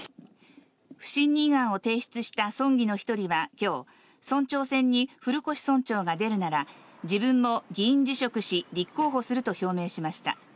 不信任案を提出した村議の一人はきょう、村長選に古越村長が出るなら、自分も議員辞職し、立候補すると表明しました。